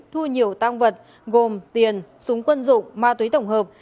thu nhiều tăng vật gồm tiền súng quân dụng ma túy tổng hợp